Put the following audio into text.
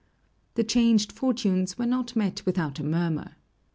The changed fortunes were not met without a murmur.